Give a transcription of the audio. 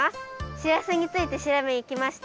しらすについてしらべにきました。